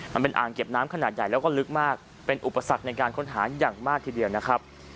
มันเป็นอ่างเก็บน้ำขนาดใหญ่แล้วก็ลึกมากเป็นอุปสรรคในการค้นหาอย่างมากทีเดียวนะครับ